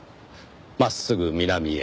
真っすぐ南へ。